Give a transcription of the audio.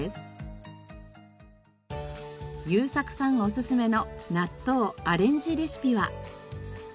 遊作さんおすすめの納豆アレンジレシピは。